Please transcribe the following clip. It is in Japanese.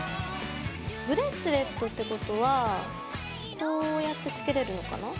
ブレスレットってことはこうやってつけれるのかな？